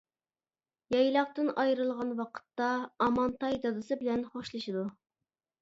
يايلاقتىن ئايرىلغان ۋاقىتتا ئامانتاي دادىسى بىلەن خوشلىشىدۇ.